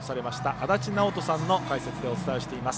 足達尚人さんの解説でお伝えしています。